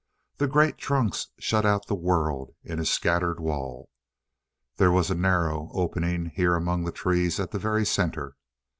The great trunks shut out the world in a scattered wall. There was a narrow opening here among the trees at the very center.